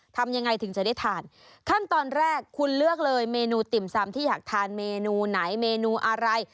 ทำยังไงถึงจะได้ทานขั้นตอนแรกคุณเลือกเลยเมนูติ่มซำที่อยากทานเมนูไหนเมนูอะไร